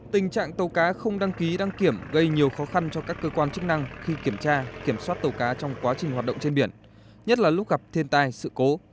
tình trạng tàu cá không đăng ký đăng kiểm gây nhiều khó khăn cho các cơ quan chức năng khi kiểm tra kiểm soát tàu cá trong quá trình hoạt động trên biển nhất là lúc gặp thiên tai sự cố